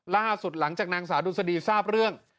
ล่าสุดหลังจากนางสาวดุสดีทราบเรื่อง